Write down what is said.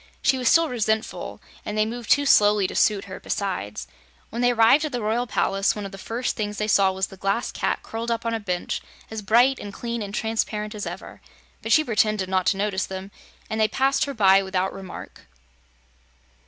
She was still resentful, and they moved too slowly to suit her, besides. When they arrived at the Royal Palace, one of the first things they saw was the Glass Cat curled up on a bench as bright and clean and transparent as ever. But she pretended not to notice them, and they passed her by without remark.